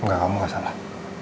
enggak kamu gak salah